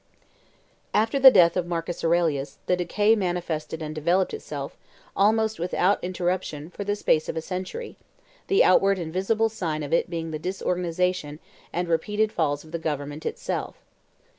After the death of Marcus Aurelius the decay manifested and developed itself, almost without interruption, for the space of a century, the outward and visible sign of it being the disorganization and repeated falls of the government itself.